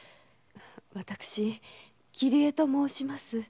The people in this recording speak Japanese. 私「桐江」と申します。